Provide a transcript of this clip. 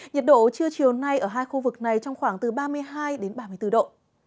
nhiệt độ trưa chiều nay ở hai khu vực này trong khoảng từ ba mươi hai đến ba mươi bốn độ